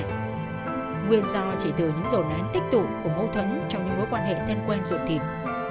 nguyên do chỉ từ những dồn án tích tụ của mâu thuẫn trong những mối quan hệ thân quen rộn thịt